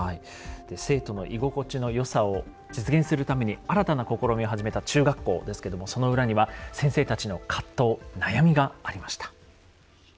生徒の居心地の良さを実現するために新たな試みを始めた中学校ですけどもその裏には先生たちの葛藤悩みがありました。